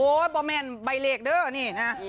โอ้ยบ่แมนใบเลขเด้อเนี่ยนะ